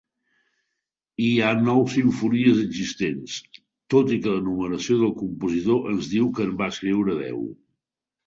Hi ha nou simfonies existents, tot i que la numeració del compositor ens diu que en va escriure deu.